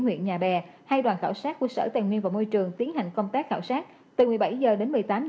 huyện nhà bè hay đoàn khảo sát của sở tài nguyên và môi trường tiến hành công tác khảo sát từ một mươi bảy h đến một mươi tám h